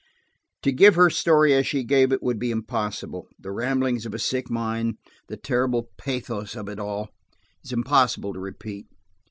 To give her story as she gave it would be impossible; the ramblings of a sick mind, the terrible pathos of it all, is impossible to repeat.